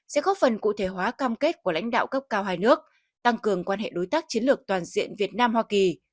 sẽ góp phần cụ thể hóa cam kết của lãnh đạo cấp cao hai nước tăng cường quan hệ đối tác chiến lược toàn diện việt nam hoa kỳ